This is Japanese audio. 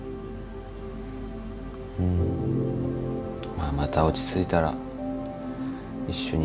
まあまた落ち着いたら一緒に。